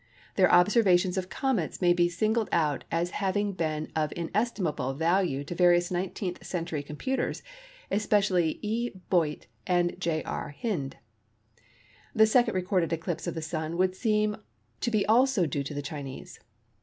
Their observations of comets may be singled out as having been of inestimable value to various 19th century computers, especially E. Biot and J. R. Hind. The second recorded eclipse of the Sun would seem to be also due to the Chinese.